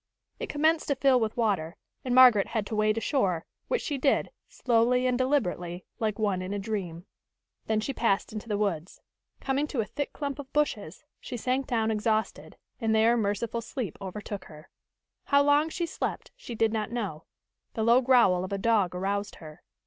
It commenced to fill with water, and Margaret had to wade ashore, which she did, slowly and deliberately, like one in a dream. Then she passed into the woods. Coming to a thick clump of bushes, she sank down exhausted, and there merciful sleep overtook her. How long she slept, she did not know. The low growl of a dog aroused her.